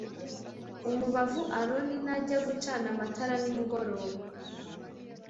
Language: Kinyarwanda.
umubavu Aroni najya gucana amatara nimugoroba